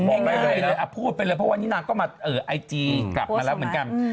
บอกได้เลยพูดไปเลยเพราะวันนี้นางก็มาไอจีกลับมาแล้วเหมือนกัน